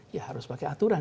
ya harus pakai aturan